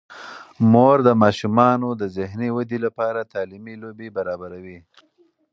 مور د ماشومانو د ذهني ودې لپاره تعلیمي لوبې برابروي.